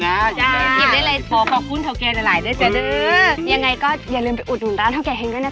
อยังไงก็อย่าลืมไปอุดหนุนร้านทาวแก่แฮงด้วยนะสับ